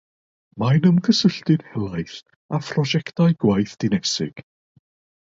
Mae'n ymgysylltu'n helaeth â phrosiectau gwaith dinesig.